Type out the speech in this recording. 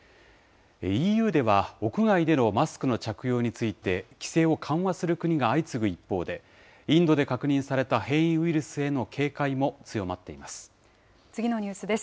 ＥＵでは、屋外でのマスクの着用について、規制を緩和する国が相次ぐ一方で、インドで確認された変異ウイルスへの警戒も強まっています。